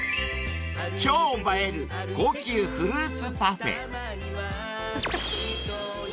［超映える高級フルーツパフェ］